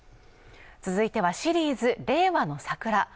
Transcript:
続いてはシリーズ「令和のサクラ」